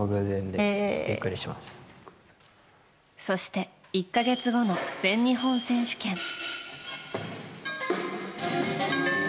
そして１か月後の全日本選手権。